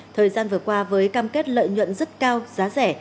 thời gian vừa qua với cam kết lợi nhuận rất cao giá rẻ